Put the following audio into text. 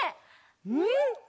うん！